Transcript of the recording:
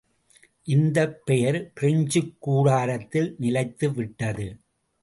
இந்தப் பெயர் பிரெஞ்சுக் கூடாரத்தில் நிலைத்துவிட்டது.